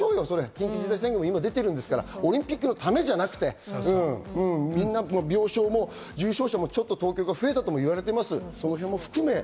緊急事態宣言が出てるんですから、オリンピックのためじゃなくて、病床も重症者も東京が増えたといわれています。